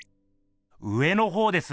上のほうです。